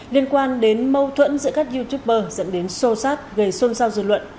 liên quan đến mâu thuẫn giữa các youtuber dẫn đến xô xát gây xôn xao dư luận